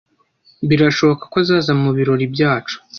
Birashoboka ko azaza mubirori byacu.